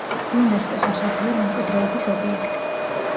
იუნესკოს მსოფლიო მემკვიდრეობის ობიექტი.